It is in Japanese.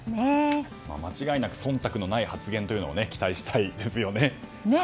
間違いなく忖度のない発言を期待したいですよね。